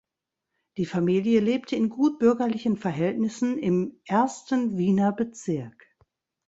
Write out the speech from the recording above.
Die Familie lebte in gutbürgerlichen Verhältnissen im Ersten Wiener Bezirk.